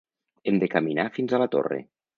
Hem de caminar fins a la torre.